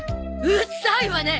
うっさいわね！